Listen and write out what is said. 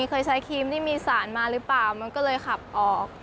เคยใช้ครีมที่มีสารมาหรือเปล่ามันก็เลยขับออก